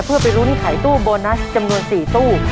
เพื่อไปลุ้นไขตู้โบนัสจำนวน๔ตู้